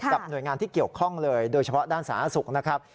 หน่วยงานที่เกี่ยวข้องเลยโดยเฉพาะด้านสาธารณสุขนะครับ